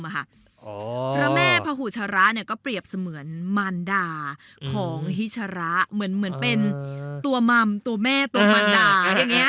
พระแม่พระหูชระก็เปรียบเสมือนมารดาของฮิชระเหมือนเป็นตัวมัมตัวแม่ตัวมารดาอย่างนี้